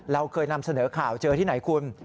เราเคยนำเสนอข่าวเจอที่ไหนคุณ